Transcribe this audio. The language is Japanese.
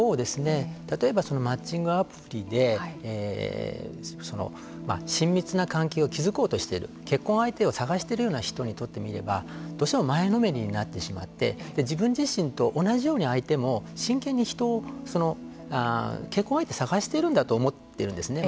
例えばマッチングアプリで親密な関係を築こうとしている結婚相手を探してるような人にとってみればどうしても前のめりになってしまって自分自身と同じように相手も真剣に人を結婚相手を探しているんだと思うんですね。